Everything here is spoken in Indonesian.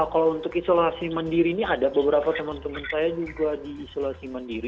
kalau untuk isolasi mandiri ini ada beberapa teman teman saya juga di isolasi mandiri